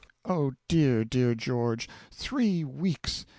Oh, dear, dear George three weeks!